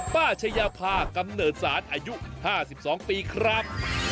ป้าชะยาพากำเนิดสานอายุห้าสิบสองปีครับ